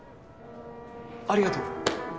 ありがとう。